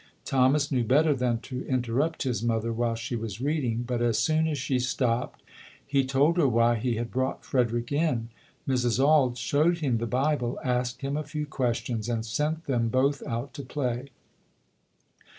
Thomas knew better than to interrupt his mother while she was reading, but as soon as she stopped, he told her why he had brought Frederick in. Mrs. Auld showed him the Bible, asked him a few ques tions and sent them both out to play.